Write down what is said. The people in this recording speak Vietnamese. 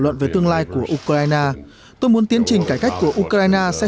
luận về tương lai của ukraine tôi muốn tiến trình cải cách của ukraine sẽ